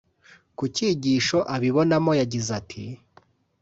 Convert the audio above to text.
Ku cyigisho abibonamo yagize ati